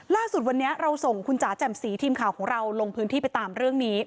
ล่าสุดวันนี้เราส่งคุณจ๋าแจ่มสีทีมข่าวของเราลงพื้นที่ไปตามเรื่องนี้